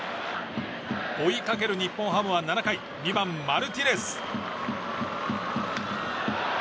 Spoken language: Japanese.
追いかける日本ハムは７回２番、マルティネス。